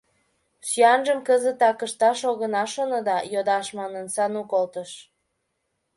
Сӱанжым кызытак ышташ огына шоно да, йодаш манын, Сану колтыш...